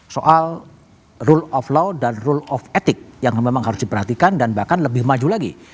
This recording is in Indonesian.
soal rule of law dan rule of etik yang memang harus diperhatikan dan bahkan lebih maju lagi